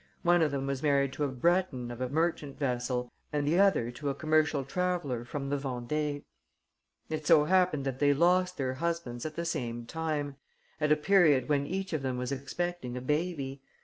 One of them was married to a Breton of a merchant vessel and the other to a commercial traveller from the Vendée. "It so happened that they lost their husbands at the same time, at a period when each of them was expecting a baby.